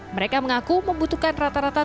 mereka mengaku membutuhkan rata rata